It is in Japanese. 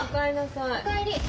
お帰り。